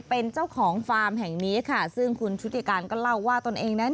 เป็นเจ้าของฟาร์มแห่งนี้ค่ะซึ่งคุณชุติการก็เล่าว่าตนเองนั้น